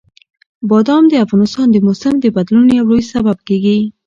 بادام د افغانستان د موسم د بدلون یو لوی سبب کېږي.